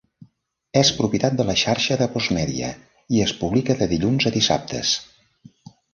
És propietat de la Xarxa de Postmedia i es publica de dilluns a dissabtes.